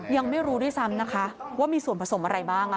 ยังไม่รู้ด้วยซ้ำนะคะว่ามีส่วนผสมอะไรบ้าง